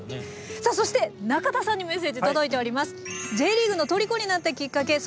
さあそして中田さんにメッセージ届いております。